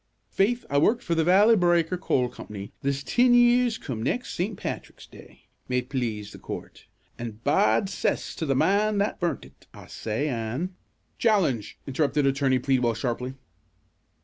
"Faith, I worked for the Valley Breaker Coal Company this tin years come next St. Patrick's day, may it plase the coort, an' bad 'cess to the man that burnt it, I say, an'" "Challenge!" interrupted Attorney Pleadwell, sharply.